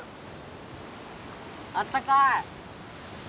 あったかい！